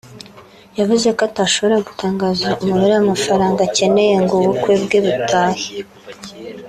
yavuze ko adashobora gutangaza umubare w’amafaranga akeneye ngo ubukwe bwe butahe